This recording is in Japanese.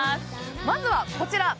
まずは、こちら。